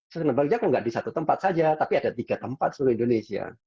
sebenarnya baliknya kok nggak di satu tempat saja tapi ada tiga tempat seluruh indonesia